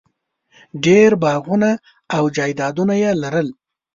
ډېر باغونه او جایدادونه یې لرل.